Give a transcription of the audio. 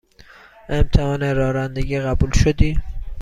امتحان رانندگی قبول شدی؟